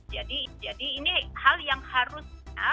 jadi ini hal yang harus